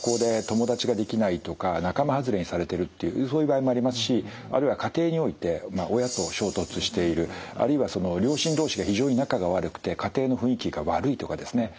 とか仲間外れにされてるっていうそういう場合もありますしあるいは家庭において親と衝突しているあるいは両親同士が非常に仲が悪くて家庭の雰囲気が悪いとかですね。